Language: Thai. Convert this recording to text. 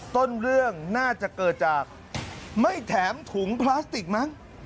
ต้นเรื่องน่าจะเกิดจากไม่แถมถุงพลาสติกมั้ง